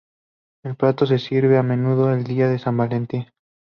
El plato se sirve a menudo en Día de San Valentín.